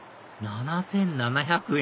７７００円！